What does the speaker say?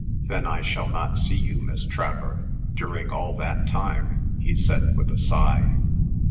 "Then I shall not see you, Miss Trapper, during all that time!" he said, with a sigh.